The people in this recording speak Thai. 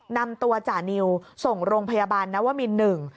นำตัวจ่านิวส่งโรงพยาบาลนวมินหนึ่ง